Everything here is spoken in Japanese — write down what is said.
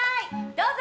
どうぞ！